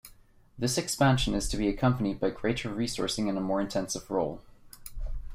This expansion is to be accompanied by greater resourcing and a more intensive role.